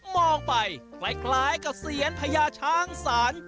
มองไปคล้ายกับเซียนพญาช้างศาล